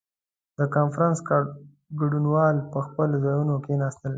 • د کنفرانس ګډونوال پر خپلو ځایونو کښېناستل.